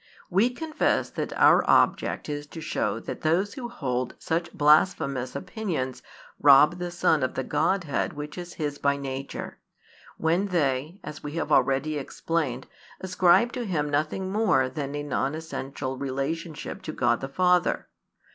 We confess that our object is to show that those who hold such blasphemous opinions rob the Son of the Godhead which is His by nature, when they (as we have already explained) ascribe to Him nothing more than a non essential relationship to God the Father.